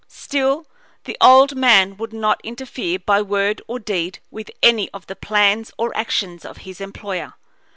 Still, the old man would not interfere by word or deed with any of the plans or actions of his employer.